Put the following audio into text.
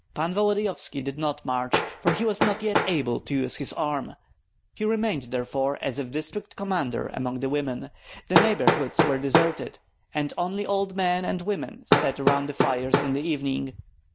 Pan Volodyovski did not march, for he was not able yet to use his arm; he remained therefore as if district commander among the women. The neighborhoods were deserted, and only old men and women sat around the fires in the evening.